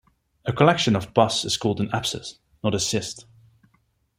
A collection of pus is called an abscess, not a cyst.